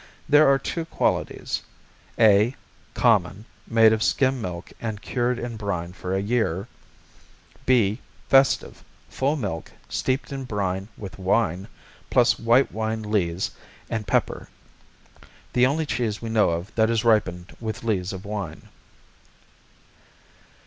There are two qualities: (a) Common, made of skim milk and cured in brine for a year; (b) Festive, full milk, steeped in brine with wine, plus white wine lees and pepper. The only cheese we know of that is ripened with lees of wine.